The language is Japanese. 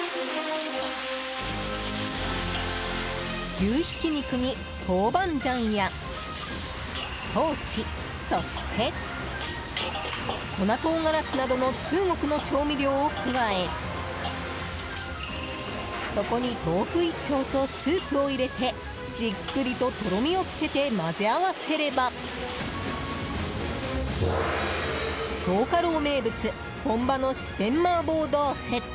牛ひき肉に、豆板醤やトウチそして、粉唐辛子などの中国の調味料を加えそこに豆腐１丁とスープを入れてじっくりととろみをつけて混ぜ合わせれば京華樓名物本場の四川麻婆豆腐。